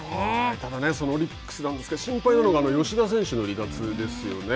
ただそのオリックスなんですが心配なのが吉田選手の離脱ですよね。